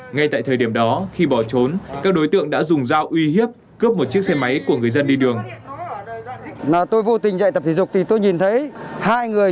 ngay tại thời điểm đó khi bỏ trốn các đối tượng đã dùng dao uy hiếp cướp một chiếc xe máy của người dân đi đường